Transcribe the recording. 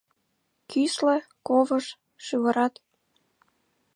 Кӱсле, ковыж, шӱвырат